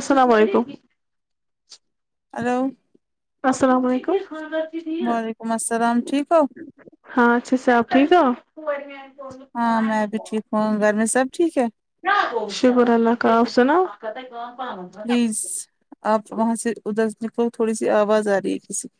السلام علیکم ہیلو السلام علیکم وعلیکم السلام ٹھیک ہو ہاں اچھے سے آپ ٹھیک ہو [unintelligible] ہاں میں بھی ٹھیک ہوں گھر میں سب ٹھیک ہے شکر اللہ کا آپ سناو پلیز آپ وہاں سے ادھر سے نکلو تھوڑی سی آواز آ رہی ہے کسی کی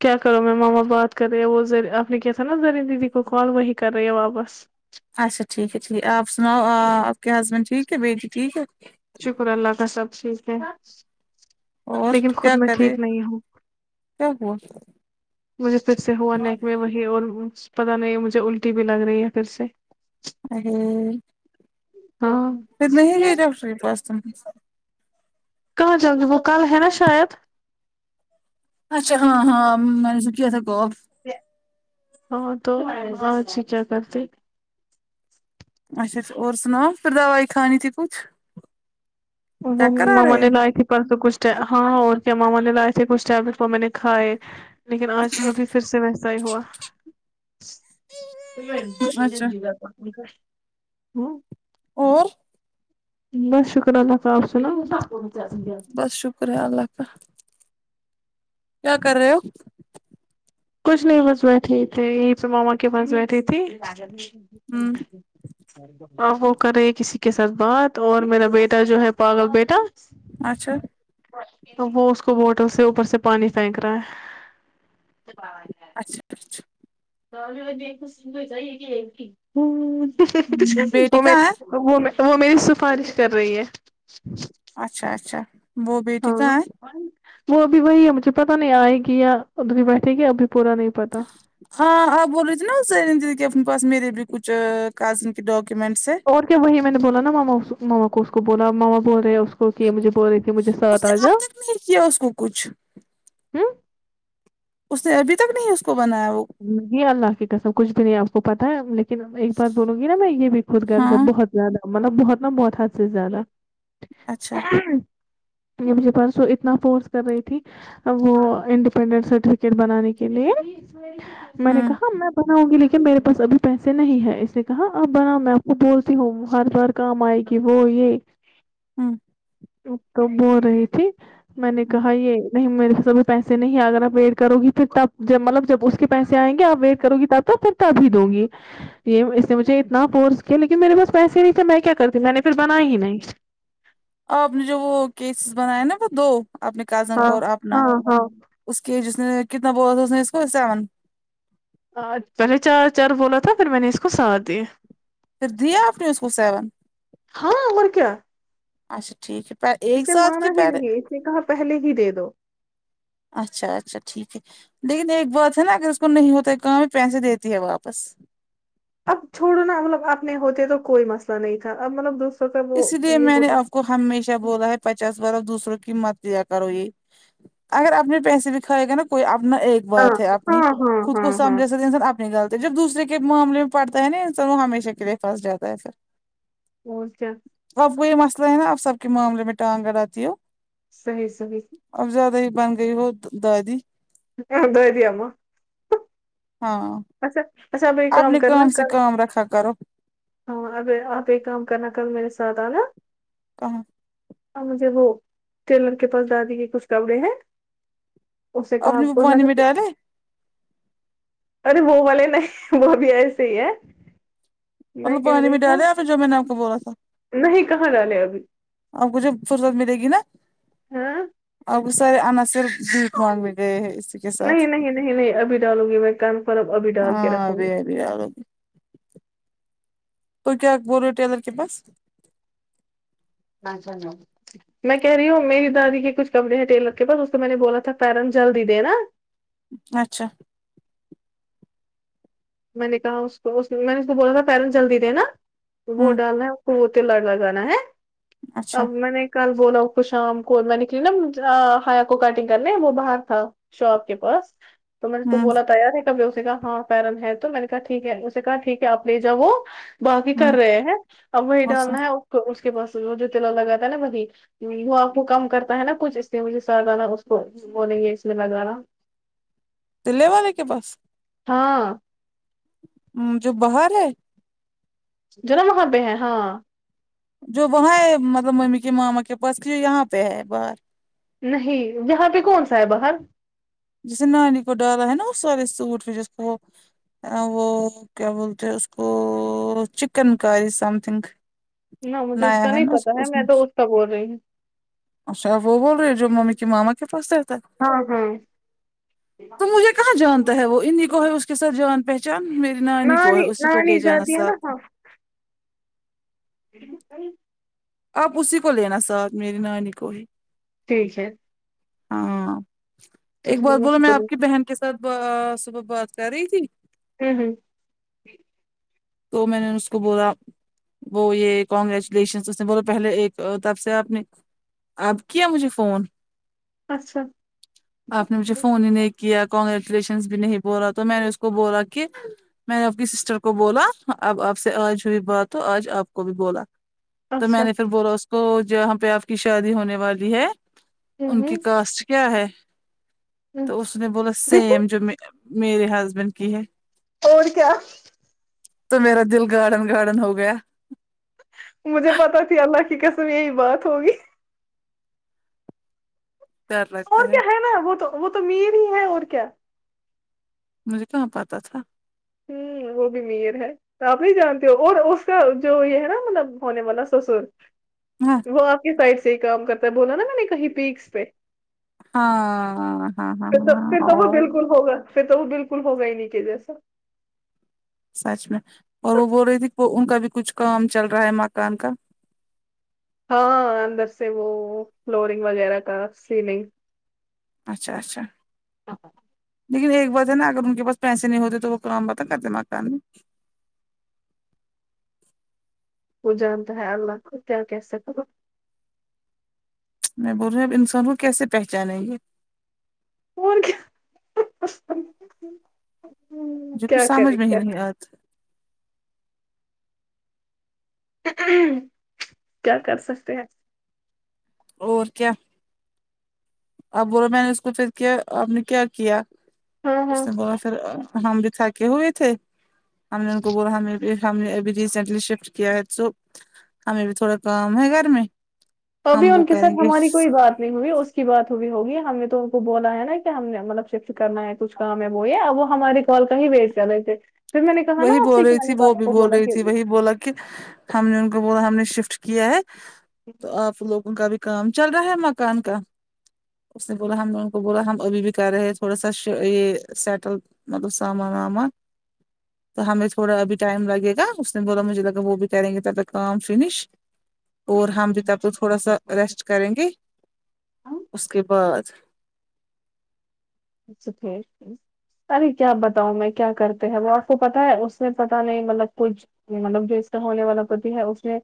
کیا کرو میں ماما بات کر رہے ہیں وہ آپ نے کیا تھا نا زری دیدی کو کال وہی کر رہے ہیں واپس اچھا ٹھیک ہے چلیے آپ سنا ؤ آپ کے ہسبینڈ ٹھیک ہے بیٹی ٹھیک ہے شکر اللہ کا سب ٹھیک ہے اور لیکن خود کیا میں کرے ٹھیک نہیں ہوں کیا ہوا مجھے پھر سے ہوا نیک میں وہی اور پتہ نہیں مجھے الٹی بھی لگ رہی ہے پھر سے ارے ہاں پھر نہیں گئی ڈاکٹر کے پاس تم کہاں جاو گی وہ کل ہے نا شاید اچھا ہاں ہاں میں نے کیا تھا کو ہاں تو [unintelligible] کیا کرتے اچھا اور سناؤ پھر دوائی کھانی تھی کچھ چکر آ مما رہے نے ہیں؟ لائی تھی پرسو کچھ ہاں اور کیا ماما نے لائے تھے کچھ ٹیبلٹ وہ میں نے کھائے لیکن آج ابھی پھر سے ویسا ہی ہوا اچھا [unintelligible] اور بس شکر اللہ کا آپ سناو بس شکر ہے اللہ کا کیا کر رہے ہو کچھ نہیں بس بیٹھی تھی یہ ماما کے پاس بیٹھے تھی ہوں اب وہ کر رہی کسی کے ساتھ بات اور میرا بیٹا جو ہے پاگل بیٹا اچھا تو وہ اس کو بوٹل سے اوپر سے پانی پھینک رہا ہے اچھا اچھا [unintelligible] آب بیٹی کہاں ہے وہ م وہ میری سفارش کر رہی ہے اچھا اچھا وہ بیٹی ہاں کہاں ہے وہ ابھی وہی ہے مجھے پتا نہیں آئے گی یا ادھرنی بیٹھے گی ابھی پورا نہیں پتا ہاں آپ بول رہے تھھی نا ز اپنے پاس میرے بھی کچھ کازن کے ڈاکومنٹس ہیں اور کیا وہی میں نے بولا نا ماما ماما کو اس کو بولا ماما بول رہے ہیں اس کو اوک مجھے بول رہی تھی مجھے سات اس نے آ اب جاؤ تک نہیں کیا اس کو کچھ ہ اس نے ابھی تک نہیں اس کو بنایا وہ اللہ کی قسم کچھ بھی نہیں آپ کو پتہ ہے لیکن ایک بار دونوں کی نا میں یہ بھی خود گھر سے ہاں بہت زیادہ مطلب بہت نا بہت حدھ سے زیادہ اچھا یہ مجھے پرسو اتنا فورس کر رہی تھی ا وہ انڈیپینڈنس سرٹیفکیٹ بنانے کے لیے میں نے ہوں کہا میں بناؤں گی لیکن میرے پس اب پیسے نہیں ہے اس نے کہا اب بناؤ میں آپ کو بولتی ہوں ہر بار کام آئے گی وہ یہ ہوں تو بول رہی تھی میں نے ہوں کہا یہ نہیں میرے پسب بھی پیسے نہیں اگر آپ ویٹ کرو گی پھر تب جب مطلب جب اس کے پیسے آئیں گے آپ ویٹ کرو گی تب تو پھر تبھی دوں گی یہ اس نے مجھے اتنا پورس کیا لیکن میرے پاس پیسے نہیں تھے میں کیا کر کے میں نے پھر بنا ہی نہیں آپ نے جو وہ کیسز بنایا نا وہ دو اپنے کزن ہاں کا اور اپنا ہاں ہاں اس کی ایج اس نے کتنا بول تھا اس نے اس کو سیون پہلے چار چار بولا تھا پھر میں نے اس کو ساتھ دیا پھر دیا آپ نے اس کو سیون ہاں اور کیا اچھا ٹھیک ہے ایک اس نے ساتھ کے مانا ہی پہلے نہیں اس نے کہا پہلے ہی دے دو اچھا اچھا ٹھیک ہے لیکن ایک بات ہے نا اگر اس کو نہیں ہوتا ہے کام پیسے دیتی ہے واپس اب چھوڑو نا مطلب اپنے ہوتے تو کوئی مسئلہ نہیں تھا اب مطلب دو اس لیے میں نے آپ کو ہمیشہ بولا ہے پچاس بر دوسروں کی مت لیا کرو یہ اگر اپنے پیسے بھیکھھائے گا نا کوئی اپنا ایک ہاں بات ہے اپنی ہاں ہاں خود کو ہاں ہاں سمجھ سک انسان نی لط ہے جب دوسرے کے معامل میں پڑتا ہے نا ان س ہمیشہ کے لیے پھنس جات ہے پھر [unintelligible] آپ کو یہ مسئلہ ہے نا آپ سب کے معاملے میں ٹانگگر آتی ہو صحیح صحیح اب زیادہ ہی بن گئی ہو دادی دادی اماں ہاں اچھااچھا اب ایک اپنے کرنا کام سے کل کام رکھا کرو ہاں اب آپ ایک کام کرنا کل میرے ساتھ آنا کہاں اور مجھے وہ ٹیلر کے پاس دادی کے کچھ کپڑے ہیں اسے آپ کہا نے وہ کو پانی میں ڈالے [unintelligible] ارے وہ والے نہیں وہ بھی ایسے ہی ہے میں مطلب کہہ پانی رہی ڈالے ہوں آپ نے جو میں نے آپ کو بولا تھا نہیں کہاں ڈالے ابھی اور کجھے فرصت ملے گی نا ہاں اب سرے انناصر بیٹ مانگ بھی گئے ہیں اس [unintelligible] نہیں نہیں نہیں نہیں ابھی ڈالوں گی میں کنفرم ابھی ڈال کے ہاں رکھوں گی ابھی ابھی تو کیا بول رہو ٹیلر کے پاس [unintelligible] میں کہہ رہی ہوں میری دادی کے کچ کپڑے ہیں ٹیلر کے پاس اس کو میں نے بولا تھا پیرن جلدی دینا اچھا میں نے کہا اس میں نے اس کو بولا تھا پیرن جلدی دے نا وہ ہوں ڈالنا ہے اچھا [unintelligible] کل وہ لوگ کو شام کووار نکلی نا ہیا کو کٹنگ کر ل وہ باہر تھا شاپ کے پاس تو میں نے تو ہوں بولا تیار ہے کبھی اسے کا ہاں پیرن ہے تو میں نے کہا ٹھیک ہے اسے کہا ٹھیک ہے آپ لے جاؤ وہ باقی کر ہوں رہے ہیں اب وہی اچھا ڈالنا ہے اس کے پس وہ جو تلا لگاتا ہے نا ب وہ آپ کو کم کرتا ہے نا کچھ اس لیے مجھے سانا اس کو بولیں گے اس لیے میںگانا دلے والے کے پاس ہاں جو باہر ہے جنا وہاں پہ ہے ہاں جو وہاں ہے مطلب ممی کے ماما کے پاس کی یہاں پہ ہے باہر نہیں یہاں پہ کون سا ہے باہر جیسے نانی کو ڈالا ہے نا وہ سارے سوٹ پ جس کو وہ کیا بولتے ہیں اس کو چکن کاری سم تھنگ نہ مجھے اس کا نہیں پتا ہے میں دو اس کا بول رہی ہوں اچھا وہ بول رہی ہو جو ممی کے ماما کے پاس رہتا ہاں ہاں تو مجھے کہاں جانتا ہے وہ انیں کو ہے اس کے ساتھ جان پہچان ینانی کو ہے نانی اسی کو لے نانی جانا جاتی ہے سا نا ہاں [unintelligible] آپ اسی کو لینا ساتھ میری نانی کو ہی ٹھیک ہے ہاں ایک ٹھیک ہے بار بولو میں سکول آپ ہوں کی بہن کے ساتھ صبح بات کر رہی تھی ہم ہم تو میں نے اس کو بولا وہ یہ کانگریچولیشن اس نے بولو پہلے ایک طرف سے آپ نے اب کیا مجھے فون اچھا آپ نے مجھے فون ہی نے کیا کیا کنگریچولیشن بھی نہیں بولا تو میں نے اس کو بولا کہ میں نے اپ کی سسٹر کو بولا اں اب آپ سے آج ہوئی بات ہو آج آپ کو بھی بولا تو میں اچھا نے پھر بولا اس کو جہاں پہ آپ کی شادی ہونے والی ہے ہوں ان کی ہوں کاسٹ کیا ہے ہوں۔ تو اس نے بولا سیم جو میرے ہسبینڈ کی ہے اور کیا تو میرا دل گارڑڈن گارڈن ہو گیا مجھے پتا کی اللہ کی قسم یہی بات ہوگی ڈر اور لگتا کیا ہے نا وہ تو وہ تو ا میر ہی ہے اور کیا مجھے کہاں پاتا تھا ھمم وہ بھی امیر ہے تو آپ نہیں جانتے ہو اور اس کا جو یہ ہے نا مطلب ہونے والا سسر ہاں وہ آپ کے سائڈ سے ہی کام کرتا ہے بولا نا میں نے کہیں پیکس پہ ہاں ہاں ہاں پھر تو ہاں پھر تو وہ اور بالکل ہوگا پھر تو وہ بالکل ہوگا ہی نہیں کہ جیسا سچ میں اور وہ بول رہی تھی کہ ان کا بھی کچھ کام چل رہا ہے مکان کا ہاں اندر سے وہ فلورنگ وغیرہ کا سیلنگ اچھا اچھا لیکن ایک بات ہے نا اگر ان کے پاس پیسے نہیں ہوتے تو وہ کام پتا کرتے مکان میں وہ جانتا ہے اللہ کو کیا کہہ سکتے میں بول رہی اب انسان کو کیسے پہچانیگے اور کیا مجھے کچھ کیا سمجھ کرے میں کیا نہیں آ کیا کر سکتے ہیں اور کیا اب بولو میں نے اس کو پھر کیا آپ نے کیا کیا ہاں ہاں اس نے بولا پھر ہم بھی تھا کے ہوئے تھے ہم نے ان کو بولا ہمیں بھی ہم نے ابھی ریسینٹلی شفٹ کیا ہے تو ہمیں بھی تھوڑا کام ہے گھر میں توبھی ہم وہ ان کے کریں ساتھ گے ہماری کوئی بات نہیں ہوئی اس کی بات ہوئی ہوگی ہم نے تو ان کو بولا ہے نا کہ ہم نے مطلب شفٹ کرنا ہے کچھ کام ہے وہ یہ وہ ہمارے کال کا ہی وائٹ کر رہے تھے پھر میں نے کہا نا وہی آپ بول سے کہ رہی میں تھی نے وہ پاپا بھی کو بول بولا رہی تھی وہی بولا کی ہم نے ان کو بولا ہم نے شفٹ کیا ہے تو آپ لوگوں کا بھی کام چل رہا ہے مکان کا اس نے بولا ہم لوگوں بولا ہم ابھی بھی کر رہے تھوڑا سا یہ سیٹل مگر سامان وامان تو ہمیں تھوڑا ابھی ٹائم لگے گا اس دن بولا مجھے لگا وہ بھی کریں گے کام فینش اور ہم جب تک تھوڑا سا ریسٹ کریں گے اس کے بعد [unintelligible] ارے کیا بتاؤں میں کیا کرتے ہیں وہ آپ کو پتا ہے اس نے پتا نہیں مطلب کچھ مطلب جو اس کا ہونے والا پتی ہے اس نے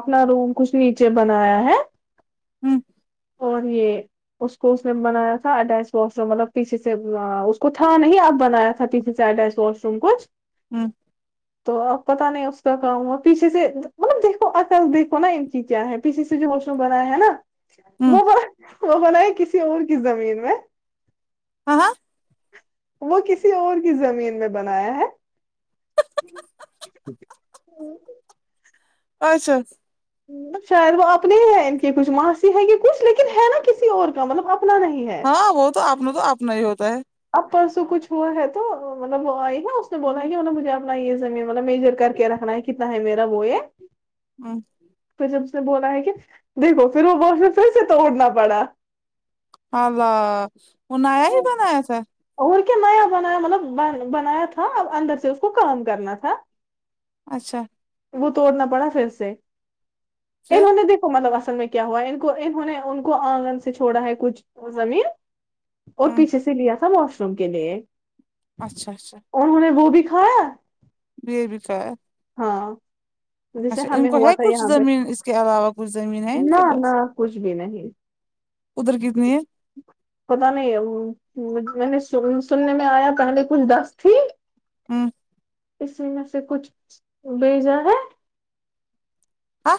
اپنا روم کچھ نیچے بنایا ہے ھمم اور یہ اس کو اس نے بنایا تھا اٹیچ واش روم مطلب پیچھے سے اس کو تھا نہیں اب بنایا تھا پیچھے سے اٹیچ واش روم کچھ ہمم تو اب پتاہ نہیں اس کا کہ ہوا پیچھے سے مطلب دیکھو عقل دیکھو نا انکی کیا ہے پیچھ سے جو واش روم بنایا ہے نا ہوں وہ بناوہ بنا ہے کسی اور کی زمین میں ہاں ہاں وہ کسی اور کی زمین میں بنایا ہے اچھا شاید وہ اپنی ہی ہے ان کی کچھ ماسی ہے کی کچھ لیکن ہے نا کسی اور کا مطلب اپنا نہیں ہے ہاں وہ تو اپنا تو اپنا ہی ہوتا ہے اب پرسوں کچھ ہوا ہے تو مطلب وہ آئی نا اس نے بولا ہے کی مطب مجھے اپنا یے زمین مطلب میجر کر کے رکھنا ہے کتنا ہے میرا وہ یے ہمم پھر جب اس نے بولا ہے کی دیکھو پھر وہ بولے پھر سے توڑنا پڑا اللہ وہ نیا ہی بنایا تھا اور کیا نیا بنایا مطلب بنایا تھا اندر سے اس کو کام کرنا تھا اچھا وہ توڑنا پڑا پھر سے پھر انہوں نے دیکھا مطلب اصل میں کیا ہوا ہے ان کو انہوں نے ان کو آنگن سے چھڑا ہے کچھ زمین اور ہوں پیچھے سے لیا تھا واش روم کے لیے اچھا اچھا انہوں نے وہ بھی کھایا یے بھی کھایا ہاں جیسے اچھا ان ہمیں کو ہوا ہے تھا کچھ یہاں پہ زمین اس کے علاوہ کچھ زمین ہے ان نہ کے نہ پاس کچھ بھی ادھر کتنی ہے پتو نہیں میں نے سننے میں آیا پہلے کچھ دس تھی ہمم اسی میں سے کچھ بھیجا ہے ہاں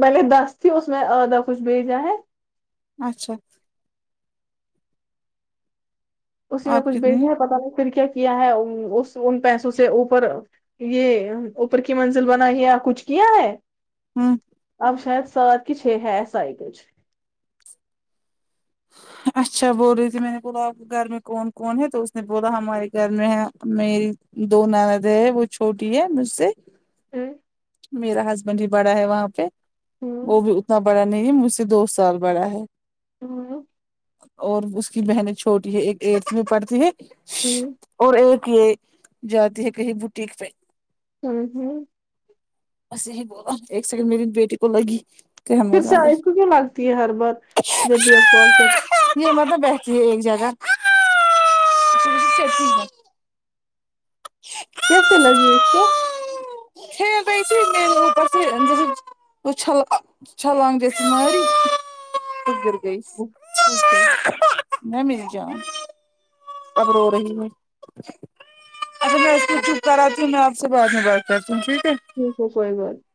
پہلے دس تھی اس میں آدھا کچھ بھیجا ہے اچھا اسی میں آپ کچھ کتنی بھیجنا ہے پتہ نہیں پھر کیا کیا ہے ان پیسوں سے اوپر یے اوپر کی منزل بنا ہے یا کچھ کیا ہے ہمم اب شاید سات کی چھ ہے ایسا ہی کچھ ہاں اچھا بول رہی تھی میں نے بولا آپ گھر میں کون کون ہے تو اس نے بولا ہمارے گھر میں ہے میری دو نند ہے وہ چھوٹی ہے مجھ سے ہمم میرا ہسبینڈ ہی بڑا ہے وہاں پے ہ وہ بھی اتنا بڑا نہیں ہے مجھ سے دو سال بڑا ہے ہمم اور اس کی بہنیں چھوٹی ہے ایک ایٹتھ میں پڑھتی ہے ہ اور ایک یے جاتی ہے کہی بوٹیک پے ہمم ہمم بس یہی بولا ایک سیکنڈ میری بیٹی کو لگی کہن پھر سے مزہ میں آیات کو کیوں لگتی ہے ہر بار جب بھی آپ کال پے یے مت نا بیٹھتی ہے ایک جگہ [inaudible] کیسے لگی اس کو کھل رہی تھی میرے اپر سے اچھل چھلانگ جیسے ماری پھر گر گئی اچھا نہ میری جان اب رو رہی ہے اب میں ایسے چپ کر رہاتی ہوں میں آپ تم سے بعد میں بات کر توں ٹھیک ہے ٹیک ہے کوئی بات نہی